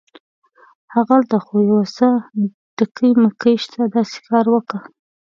هغلته خو یو څه ډکي مکي شته، داسې کار وکه.